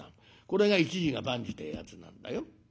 これが一事が万事ってえやつなんだよ。